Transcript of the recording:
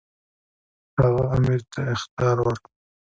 هغه امیر ته اخطار ورکړ.